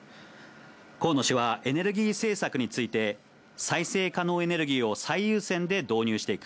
河野氏はエネルギー政策について、再生可能エネルギーを最優先で導入していく。